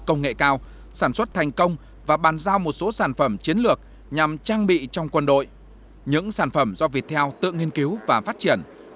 cùng lãnh đạo một số bộ ngành có liên quan